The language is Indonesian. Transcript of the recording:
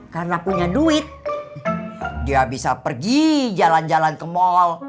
karena punya duit dia bisa pergi jalan jalan ke mal